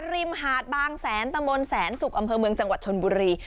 มหาดบางแสนตะมนต์แสนสุกอำเภอเมืองจังหวัดชนบุรี